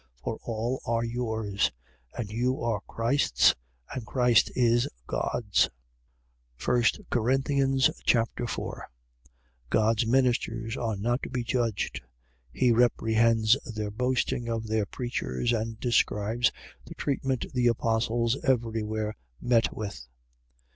For all are yours. 3:23. And you are Christ's. And Christ is God's. 1 Corinthians Chapter 4 God's ministers are not to be judged. He reprehends their boasting of their preachers and describes the treatment the apostles every where met with.